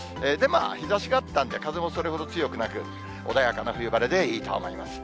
日ざしがあったんで、風もそれほど強くなく、穏やかな冬晴れでいいと思います。